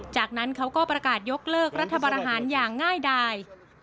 จากนั้นเขาก็ประกาศยกเลิกรัฐบาหารอย่างง่ายดาย